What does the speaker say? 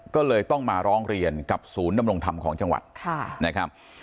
ก็เลยต้องมาล้องเรียนกับศูนนำลงธรรมของจังวัตรค่ะนะครับ